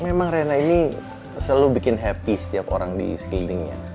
memang rena ini selalu bikin happy setiap orang di sekelilingnya